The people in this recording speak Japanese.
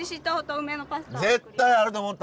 絶対あると思った！